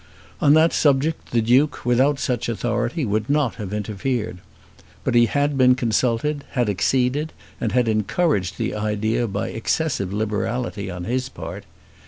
On that subject the Duke, without such authority, would not have interfered. But he had been consulted, had acceded, and had encouraged the idea by excessive liberality on his part.